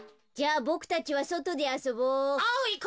じゃあボクたちはそとであそぼう！